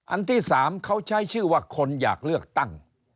อันที่๓เขาใช้ชื่อว่าคนอยากเลือกตั้ง